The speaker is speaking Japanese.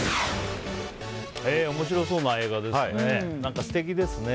面白そうな映画ですね。